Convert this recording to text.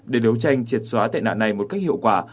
để đấu tranh triệt xóa tệ nạn này một cách hiệu quả